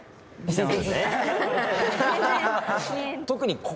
特に。